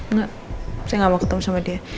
enggak saya nggak mau ketemu sama dia